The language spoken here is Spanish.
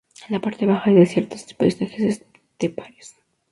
En la parte baja hay desiertos y paisajes esteparios.